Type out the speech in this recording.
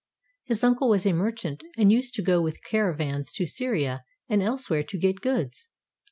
His uncle was a merchant and used to go with caravans to Syria and elsewhere to get goods.